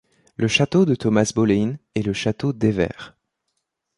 Le château de Thomas Boleyn est le château d'Hever.